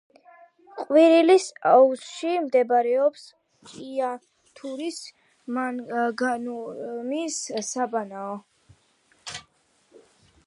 ყვირილის აუზში მდებარეობს ჭიათურის მანგანუმის საბადოები.